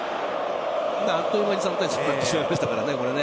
あっという間に３対１になってしまいましたからね。